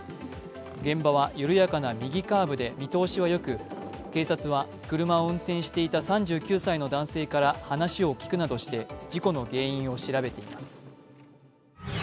現場は緩やかな右カーブで見通しはよく警察は、車を運転していた３９歳の男性から話を聞くなどして事故の原因を調べています。